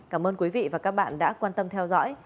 cảm ơn quý vị và các bạn đã quan tâm theo dõi